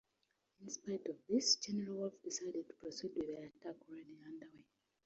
In spite of this, General Wolfe decided to proceed with the attack already underway.